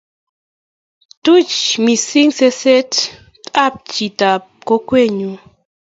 Tui mising sesetab chitab kokwenyu